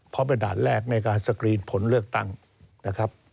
เพราะเป็นด่านแรกในการสกรีนผลเลือกตั้งนะครับ